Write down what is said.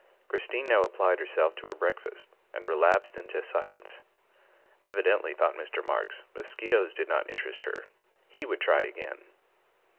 Christine now applied herself to her breakfast and relapsed into silence. Evidently, thought Mr. Marks, mosquitoes did not interest her; he would try again.